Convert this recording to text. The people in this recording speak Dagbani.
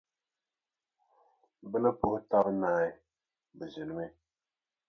Bɛ ni puhi taba naai, bɛ ʒinimi.